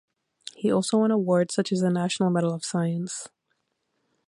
He also won awards, such as the National Medal of Science.